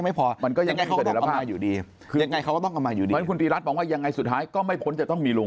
หมายถึงคุณธีรัฐบอกว่ายังไงสุดท้ายก็ไม่ควรจะต้องมีลุง